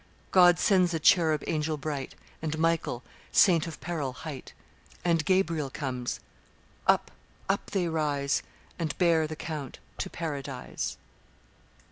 God sends a cherub angel bright, And Michael, Saint of Peril hight; And Gabriel comes; up, up they rise, And bear the Count to Paradise."